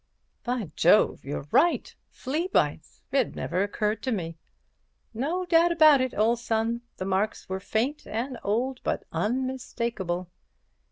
"By Jove, you're right! Flea bites. It never occurred to me." "No doubt about it, old son. The marks were faint and old, but unmistakable."